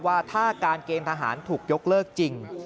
ว่าถ้าการเกณฑ์ทหารถูกยกเลิกจริง